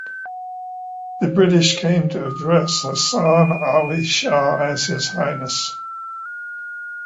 The British came to address Hasan Ali Shah as His Highness.